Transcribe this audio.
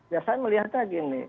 ya saya melihatnya begini